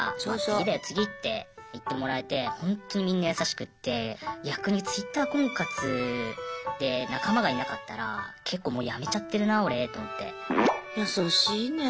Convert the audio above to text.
次って言ってもらえてほんとにみんな優しくって逆にＴｗｉｔｔｅｒ婚活で仲間がいなかったら結構もうやめちゃってるな俺と思って。